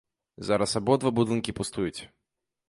Зараз абодва будынкі пустуюць.